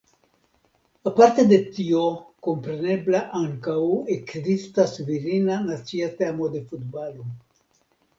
Aparte de tio komprenebla ankaŭ ekzistas virina nacia teamo de futbalo.